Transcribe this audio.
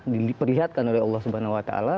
diperlihatkan oleh allah subhanahu wa ta'ala